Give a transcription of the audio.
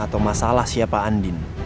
atau masalah siapa andin